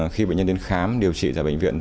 khi bệnh nhân đến khám điều trị tại bệnh viện